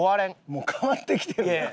もう変わってきてる。